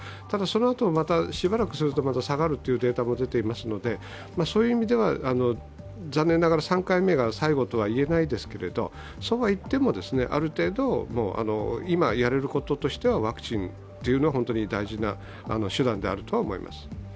ただそのあと、またしばらくするとまた下がるというデータも出ていますので、そういう意味では残念ながら３回目が最後とは言えないですけれども、そうはいっても、ある程度、今やれることとしてはワクチンというのは本当に大事な手段であるとは思います。